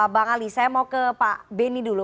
bang ali saya mau ke pak beni dulu